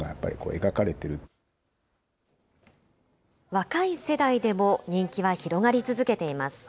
若い世代でも人気は広がり続けています。